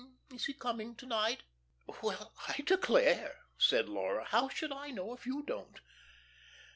Is he coming to night?" "Well I declare," said Laura. "How should I know, if you don't?"